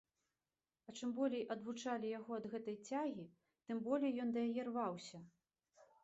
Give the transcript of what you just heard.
А чым болей адвучвалі яго ад гэтай цягі, тым болей ён да яе рваўся.